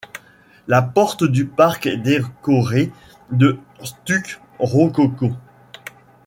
La porte du parc est décorée de stucs rococo.